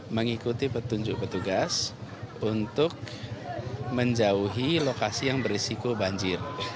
mengikuti petunjuk petugas untuk menjauhi lokasi yang berisiko banjir